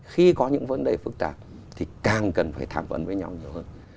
khi có những vấn đề phức tạp thì càng cần phải tham vấn với nhau nhiều hơn